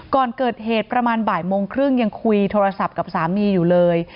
ก่อนเกิดเหตุประมาณบ่ายโมงครึ่งยังคุยโทรศัพท์กับสามีอยู่เลย